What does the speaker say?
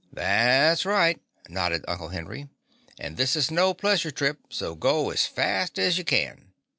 "That's right," nodded Uncle Henry. "And this is no pleasure trip, so go as fast as you can."